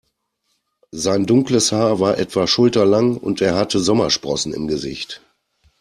Sein dunkles Haar war etwa schulterlang und er hatte Sommersprossen im Gesicht.